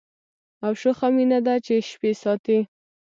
او شوخه مینه ده چي شپې ساتي